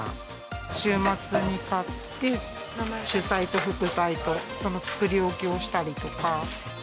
週末に買って、主菜と副菜と、その作り置きをしたりとか。